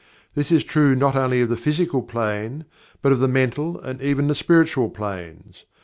This is true not only of the Physical Plane, but of the Mental and even the Spiritual Planes.